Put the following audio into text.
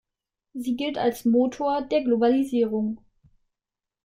Sie gilt als „Motor“ der Globalisierung.